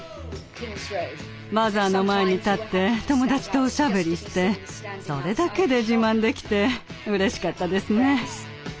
「バザー」の前に立って友達とおしゃべりしてそれだけで自慢できてうれしかったですね。